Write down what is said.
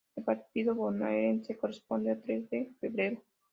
El partido Bonaerense corresponde a Tres de Febrero.